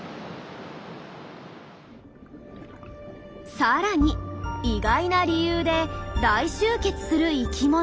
さらに意外な理由で大集結する生きものも。